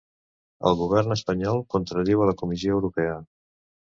El govern espanyol contradiu a la Comissió Europea